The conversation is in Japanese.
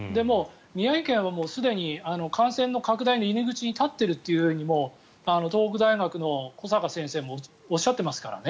宮城県は、すでに感染の拡大の入り口に立っていると東北大学のコサカ先生もおっしゃっていますからね。